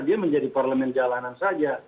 dia menjadi parlemen jalanan saja